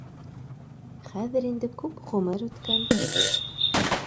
Хәҙер инде күп ғүмер үткән